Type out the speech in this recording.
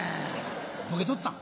ボケとったん？